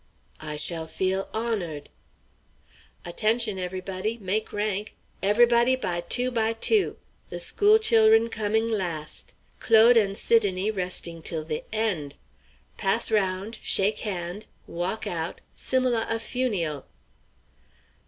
"I should feel honored." "Attention, everybody! Make rank! Everybody by two by two, the school chil'run coming last, Claude and Sidonie resting till the end, pass 'round shake hand' walk out similah a fu nial."